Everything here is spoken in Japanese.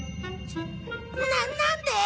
ななんで！？